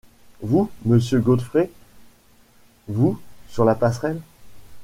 Vous, monsieur Godfrey, vous… sur la passerelle ?